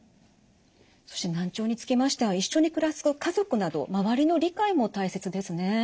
そして難聴につきましては一緒に暮らす家族など周りの理解も大切ですね。